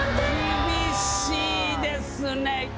厳しいですね。